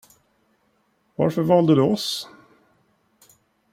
Varför valde du oss?